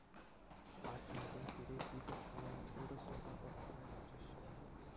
Архимсем пире питӗ кӑмӑллӑн ырӑ сунса ӑсатса ячӗҫ.